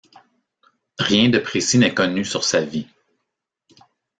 Rien de précis n’est connu sur sa vie.